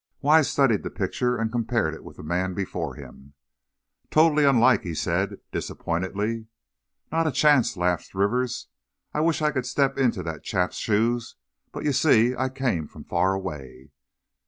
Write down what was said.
Wise studied the picture and compared it with the man before him. "Totally unlike," he said, disappointedly. "Not a chance," laughed Rivers; "I wish I could step into that chap's shoes; but you see, I came from far away."